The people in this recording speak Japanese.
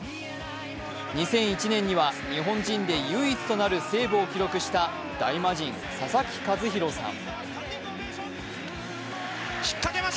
２００１年には日本人で唯一となるセーブを記録した大魔神・佐々木主浩さん。